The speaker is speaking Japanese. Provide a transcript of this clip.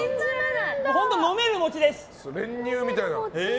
本当、飲める餅です。